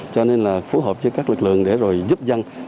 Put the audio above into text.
cho nên là phối hợp với các lực lượng để rồi giúp dân